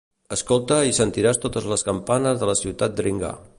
Escolta i sentiràs totes les campanes de la ciutat dringar.